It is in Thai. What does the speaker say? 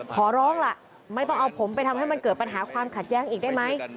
ขอร้องล่ะไม่ต้องเอาผมไปทำให้มันเกิดปัญหาความขัดแย้งอีกได้ไหม